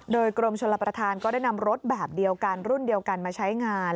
โดยกรมชลประธานก็ได้นำรถแบบเดียวกันรุ่นเดียวกันมาใช้งาน